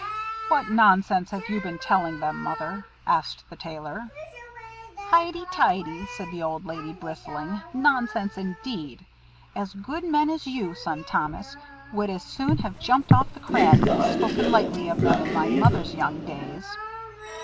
"What nonsense have you been telling them, Mother?" asked the Tailor. "Heighty teighty," said the old lady, bristling. "Nonsense, indeed! As good men as you, son Thomas, would as soon have jumped off the crags, as spoken lightly of them, in my mother's young days."